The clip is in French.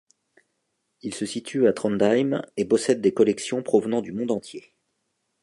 Il se situe à Trondheim et possède des collections provenant du monde entier.